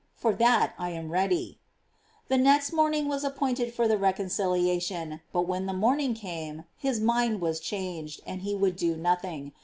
for that I am ready." The next morning was appointed for the reconcilia tion; but when the morning came, his mind was changed, and he would do nothing.